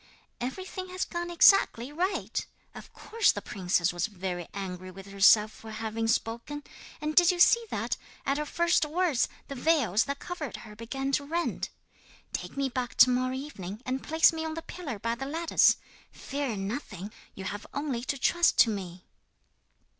'Everything has gone exactly right! Of course the princess was very angry with herself for having spoken. And did you see that, at her first words, the veils that covered her began to rend? Take me back to morrow evening, and place me on the pillar by the lattice. Fear nothing, you have only to trust to me!'